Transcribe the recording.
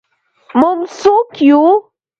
موږ څوک یو؟